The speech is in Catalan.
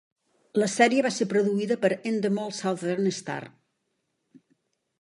La sèrie va ser produïda per Endemol Southern Star.